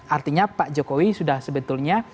artinya pak jokowi sudah sebetulnya